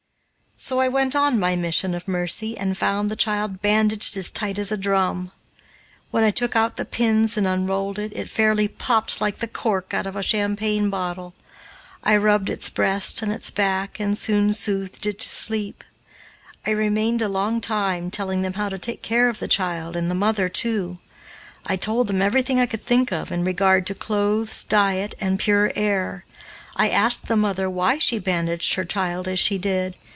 So I went on my mission of mercy and found the child bandaged as tight as a drum. When I took out the pins and unrolled it, it fairly popped like the cork out of a champagne bottle. I rubbed its breast and its back and soon soothed it to sleep. I remained a long time, telling them how to take care of the child and the mother, too. I told them everything I could think of in regard to clothes, diet, and pure air. I asked the mother why she bandaged her child as she did.